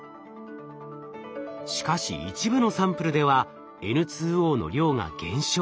しかし一部のサンプルではＮＯの量が減少。